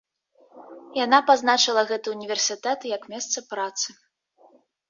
Яна пазначыла гэты ўніверсітэт як месца працы.